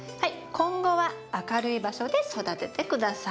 今後は明るい場所で育てて下さい。